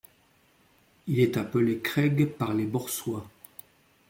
Il est appelé craig par les Borçois.